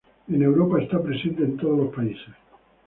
En Europa, está presente en todos los países.